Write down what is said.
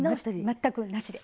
全くなしで。